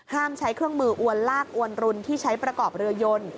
ใช้เครื่องมืออวนลากอวนรุนที่ใช้ประกอบเรือยน